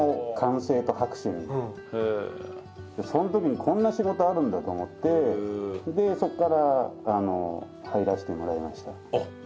その時にこんな仕事あるんだと思ってでそこから入らせてもらいました。